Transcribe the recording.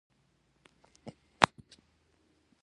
آیا هنرمندان خپل اثار نه پلوري؟